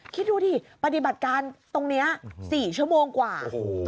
คิดดูดิปฏิบัติการตรงนี้๔ชั่วโมงกว่า